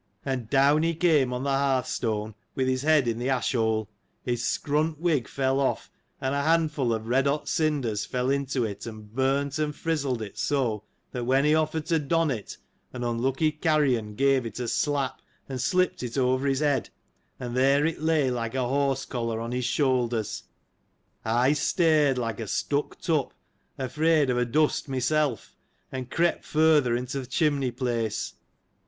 and down he came on the hearth stone, with his head in the ash hole : his scrunt wig fell off, and a handful of red hot cinders fell into it, and burnt and frizzled it so, that when he offered to don it, an unlucky carrion? gave it a slap, and slipped it over his head ; and, there it lay like a horse collar* on his shoulders. I stared like a stuck tup, afraid of a dust myself, and crept further into th' chimney place.